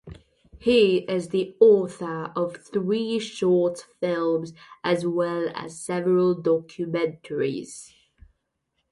He is the author of three short films as well as several documentaries.